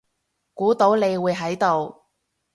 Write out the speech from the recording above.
估到你會喺度